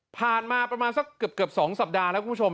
ผ่านมาประมาณสักเกือบ๒สัปดาห์แล้วคุณผู้ชม